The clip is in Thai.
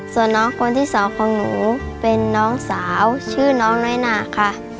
ส่วนน้องคนที่สองของหนูเป็นน้องสาวชื่อน้องน้อยหนาค่ะ